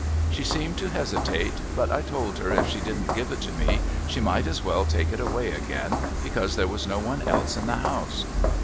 She seemed to hesitate, but I told her if she didn't give it to me she might as well take it away again, because there was no one else in the house.